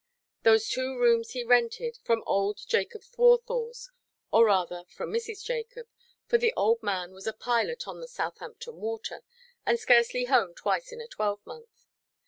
Those two rooms he rented from old Jacob Thwarthawse, or rather from Mrs. Jacob, for the old man was a pilot on the Southampton Water, and scarcely home twice in a twelvemonth.